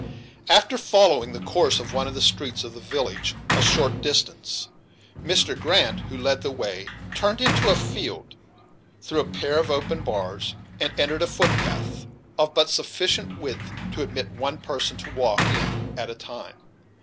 After following the course of one of the streets of the village a short distance. Mr. Grant, who led the way, turned into a field, through a pair of open bars, and entered a footpath, of but sufficient width to admit one person to walk in at a time.